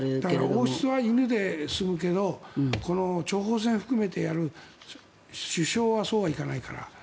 王室は犬で済むけど諜報戦含めてやる首相はそうはいかないから。